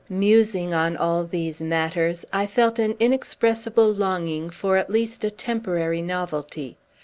Musing on all these matters, I felt an inexpressible longing for at least a temporary novelty.